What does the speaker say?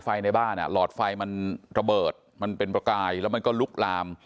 ในบ้านหลอดไฟมันระเบิดมันเป็นประกายแล้วมันก็ลุกลาม